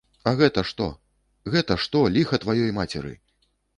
А гэта што, гэта што, ліха тваёй мацеры?